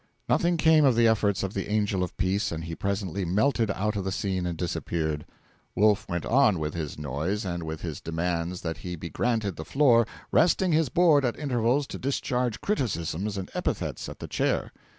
Nothing came of the efforts of the angel of peace, and he presently melted out of the scene and disappeared. Wolf went on with his noise and with his demands that he be granted the floor, resting his board at intervals to discharge criticisms and epithets at the Chair.